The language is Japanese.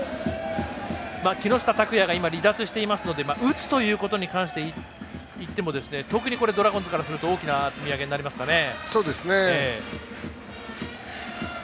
木下拓哉が今、離脱していますので打つということに関して言っても特にドラゴンズからすれば大きな積み上げになりますかね。